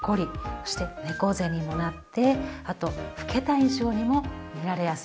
そして猫背にもなってあと老けた印象にも見られやすいんですね。